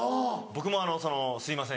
僕も「すいません」